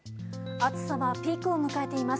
暑さはピークを迎えています。